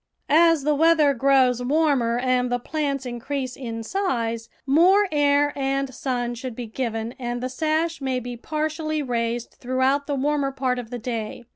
As the weather grows warmer and the plants increase in size, more air and sun should be given and the sash may be partially raised throughout the warmer part of the day.